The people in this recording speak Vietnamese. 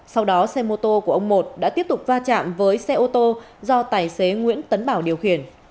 sau đó xe mô tô của ông một đã tiếp tục va chạm với xe ô tô do tài xế nguyễn tấn bảo điều khiển